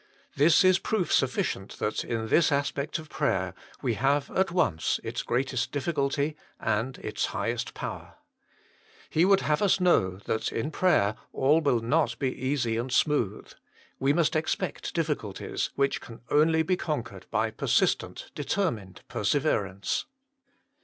This is proof sufficient that in this aspect of prayer we have at once its greatest difficulty and its highest power. He would have us know that in prayer all will not be easy and smooth; we must expect difficulties, which 43 44 THE MINISTRY OF INTERCESSION can only be conquered by persistent, determined perseverance.